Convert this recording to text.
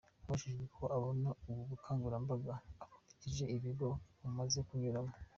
Abajijwe uko abona ubu bukangurambaga, akurikije ibigo amaze kunyuramo.